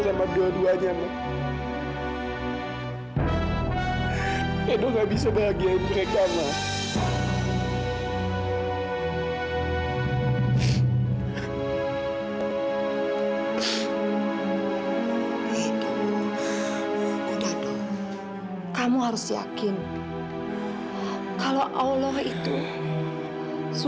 sampai jumpa di video selanjutnya